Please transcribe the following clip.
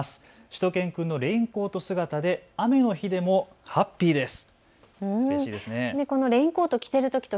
しゅと犬くんのレインコート姿で雨の日でもハッピーです。